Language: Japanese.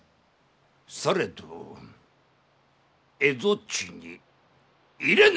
されど蝦夷地に入れぬ！